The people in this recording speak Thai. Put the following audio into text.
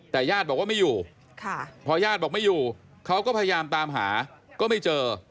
แต่ญาติบอกว่าไม่อยู่พอญาติบอกไม่อยู่เขาก็พยายามตามหาก็ไม่เจอ